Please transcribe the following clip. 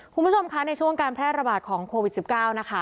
คุณผู้ชมคะในช่วงการแพร่ระบาดของโควิด๑๙นะคะ